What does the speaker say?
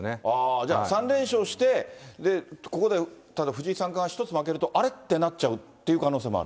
じゃあ、３連勝してここで藤井三冠、一つ負けると、あれ？ってなっちゃうっていう可能性もある。